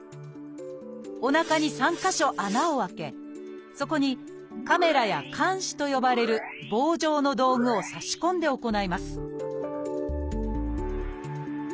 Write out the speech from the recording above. おなかに３か所穴を開けそこにカメラや鉗子と呼ばれる棒状の道具を差し込んで行います